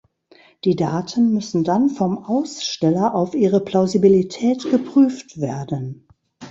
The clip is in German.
Die Daten müssen dann vom Aussteller auf ihre Plausibilität geprüft werden.